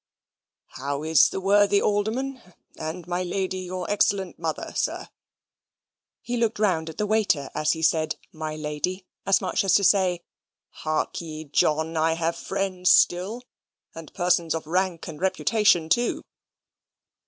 "How is the worthy alderman, and my lady, your excellent mother, sir?" He looked round at the waiter as he said, "My lady," as much as to say, "Hark ye, John, I have friends still, and persons of rank and reputation, too."